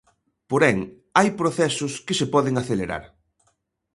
Porén, hai procesos que se poden acelerar.